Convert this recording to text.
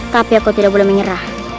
tapi aku tidak boleh menyerah